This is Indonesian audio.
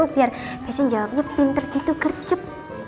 biar besok jawabnya pinter gitu kerjep